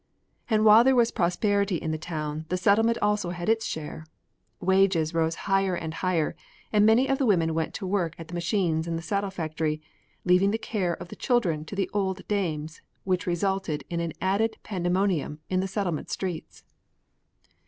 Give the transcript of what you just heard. And while there was prosperity in the Town the Settlement also had its share. Wages rose higher and higher and many of the women went to work at the machines in the saddle factory, leaving the care of the children to the old dames, which resulted in an added pandemonium in the Settlement streets.